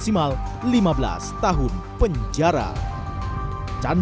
hingga menyebabkan hilangnya nyawa seseorang